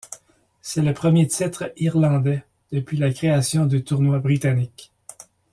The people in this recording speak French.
C'est le premier titre irlandais depuis la création du tournoi britannique.